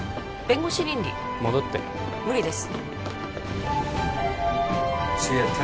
弁護士倫理戻って無理です